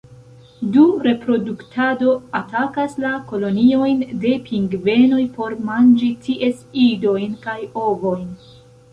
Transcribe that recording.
Dum reproduktado atakas la koloniojn de pingvenoj por manĝi ties idojn kaj ovojn.